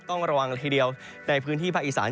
ต้องระวังละทีเดียวในพื้นที่ภาคอีสาน